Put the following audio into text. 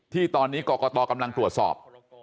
ที่ตอนนี้กรกตกำลังตรวจสอบ